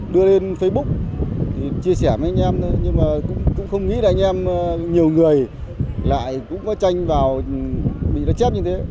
đưa lên facebook chia sẻ với anh em nhưng mà cũng không nghĩ là anh em nhiều người lại cũng có tranh vào bị nó chép như thế